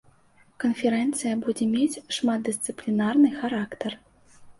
Канферэнцыя будзе мець шматдысцыплінарны характар.